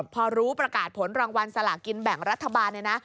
พอรู้ประกาศผลรางวัลสลากินแบ่งรัฐบาลเนี่ยนะ